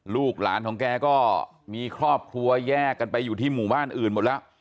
ลูกหลานของแกก็มีครอบครัวแยกกันไปอยู่ที่หมู่บ้านอื่นหมดแล้ว